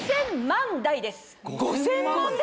５０００万台です。